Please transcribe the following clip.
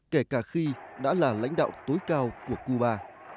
kể cả khi đã là lãnh đạo tối cao của cuba